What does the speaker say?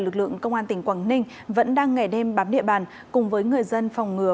lực lượng công an tỉnh quảng ninh vẫn đang ngày đêm bám địa bàn cùng với người dân phòng ngừa